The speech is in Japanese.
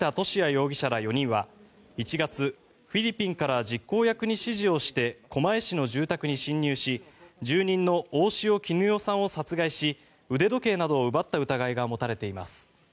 容疑者ら４人は１月、フィリピンから実行役に指示をして狛江市の住宅に侵入し住人の大塩衣與さんを殺害し腕時計などを奪った疑いが持たれています。